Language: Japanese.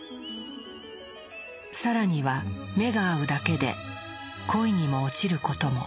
更には目が合うだけで恋にも落ちることも。